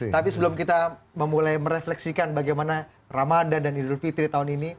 tapi sebelum kita memulai merefleksikan bagaimana ramadan dan idul fitri tahun ini